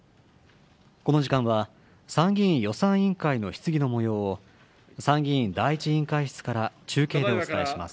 この時間は、参議院予算委員会の質疑のもようを、参議院第１委員会室から中継でお伝えします。